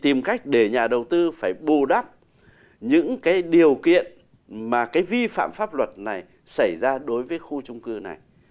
tìm cách để nhà đầu tư phải bù đắp những cái điều kiện mà cái vi phạm pháp luật này xảy ra đối với khu trung cư này